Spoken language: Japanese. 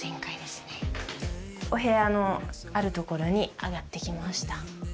お部屋のあるところに上がってきました